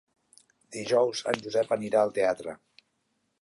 Dijous en Josep anirà al teatre.